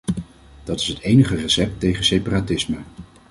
Dat is het enige recept tegen separatisme.